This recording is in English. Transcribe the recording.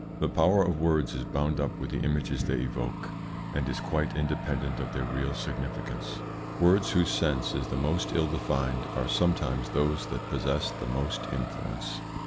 The power of words is bound up with the images they evoke, and is quite independent of their real significance. Words whose sense is the most ill defined are sometimes those that possess the most influence.